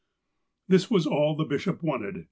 This was all the bishop wanted.